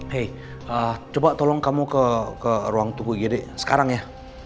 hei coba tolong kamu ke ruang tukugiri sekarang ya